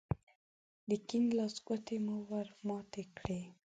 د کيڼ لاس ګوتې مو ور ماتې کړې.